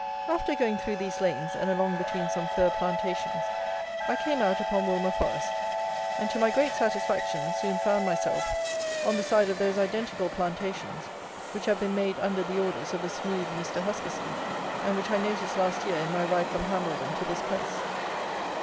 After going through these lanes, and along between some fir plantations, I came out upon Woolmer Forest, and, to my great satisfaction, soon found myself on the side of those identical plantations which have been made under the orders of the smooth Mr. Huskisson, and which I noticed last year in my ride from Hambledon to this place.